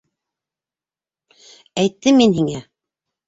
Әйттем мин һиңә...